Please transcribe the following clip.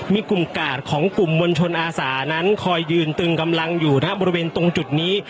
มีกลุ่มกาดของกลุ่มมวลชนอาสานั้นคอยยืนตึงกำลังอยู่บริเวณตรงจุดนี้